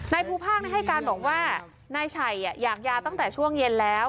ภูภาคให้การบอกว่านายชัยอยากยาตั้งแต่ช่วงเย็นแล้ว